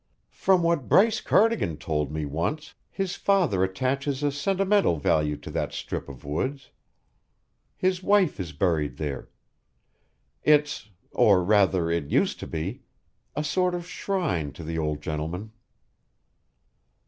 "From what Bryce Cardigan told me once, his father attaches a sentimental value to that strip of woods; his wife is buried there; it's or rather, it used to be a sort of shrine to the old gentleman."